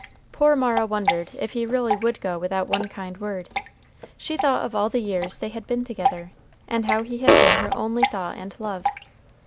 Poor Mara wondered if he really would go without one kind word. She thought of all the years they had been together, and how he had been her only thought and love.